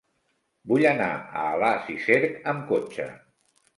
Vull anar a Alàs i Cerc amb cotxe.